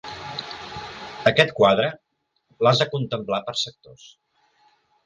Aquest quadre, l'has de contemplar per sectors.